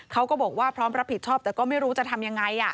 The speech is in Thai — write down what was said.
เขาก็บอกว่าพร้อมรับผิดชอบแต่ก็ไม่รู้จะทำยังไง